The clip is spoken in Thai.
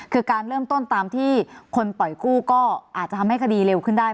คือการเริ่มต้นตามที่คนปล่อยกู้ก็อาจจะทำให้คดีเร็วขึ้นได้